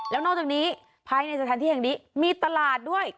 แล้วนอกจากนี้ภายในสถานที่แห่งนี้มีตลาดด้วย